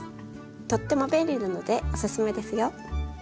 とっても便利なのでおすすめですよ。